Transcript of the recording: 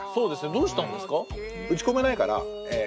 どうしたんですか？